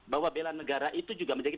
bahwa bela negara itu juga menjadi